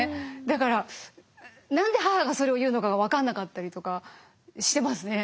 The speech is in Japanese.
だから何で母がそれを言うのかが分かんなかったりとかしてますね